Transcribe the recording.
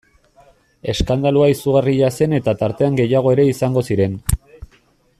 Eskandalua izugarria zen eta tartean gehiago ere izango ziren...